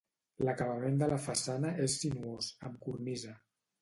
L'acabament de la façana és sinuós, amb cornisa.